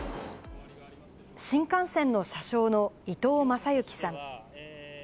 新幹線の車掌の伊藤雅之さん。